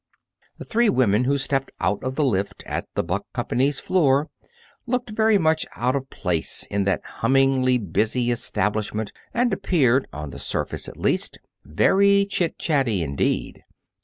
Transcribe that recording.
The three women who stepped out of the lift at the Buck Company's floor looked very much out of place in that hummingly busy establishment and appeared, on the surface, at least, very chit chatty indeed.